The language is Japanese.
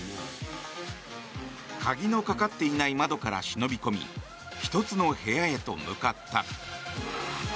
鍵のかかっていない窓から忍び込み１つの部屋へと向かった。